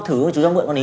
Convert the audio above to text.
thử chú trong bượng con ý